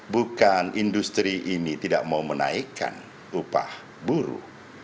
bukan industri ini tidak mau menaikkan upah buruh